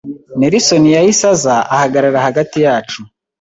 Nelson yahise aza ahagarara hagati yacu,